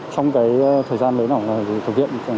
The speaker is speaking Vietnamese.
trong thời gian lấy nỏ thương tiện